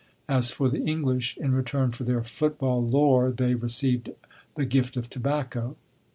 As for the English, in return for their football lore they received the gift of tobacco.